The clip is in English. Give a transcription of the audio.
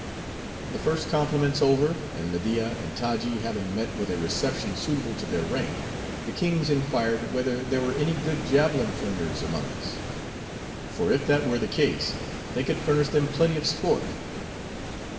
The first compliments over; and Media and Taji having met with a reception suitable to their rank, the kings inquired, whether there were any good javelin flingers among us: for if that were the case, they could furnish them plenty of sport.